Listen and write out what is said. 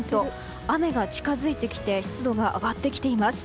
雨が近づいてきて湿度が上がってきています。